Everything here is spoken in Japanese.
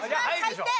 入って！